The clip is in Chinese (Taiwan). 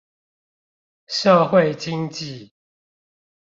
社會經濟